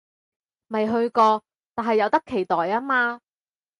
未去過，但係有得期待吖嘛